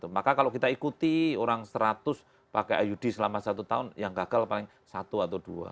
maka kalau kita ikuti orang seratus pakai iud selama satu tahun yang gagal paling satu atau dua